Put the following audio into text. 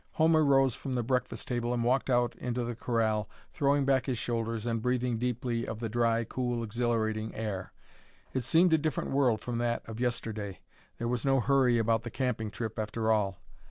Homer rose from the breakfast table and walked out into the corral, throwing back his shoulders and breathing deeply of the dry, cool, exhilarating air. It seemed a different world from that of yesterday. There was no hurry about the camping trip, after all.